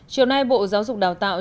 chiều nay bộ giáo dục đào tạo